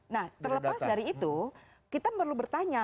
nah terlepas dari itu kita perlu bertanya